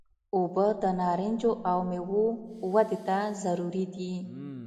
اوبه د نارنجو او میوو ودې ته ضروري دي.